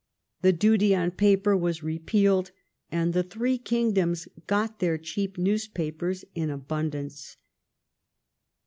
The duty on paper was repealed, and the three kingdoms got their cheap news papers in abundance.